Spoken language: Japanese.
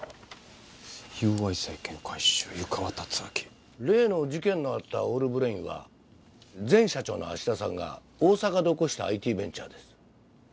「友愛債権回収湯川達明」例の事件のあったオールブレインは前社長の芦田さんが大阪で起こしたＩＴベンチャーです。